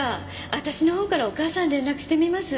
私の方からお母さんに連絡してみます。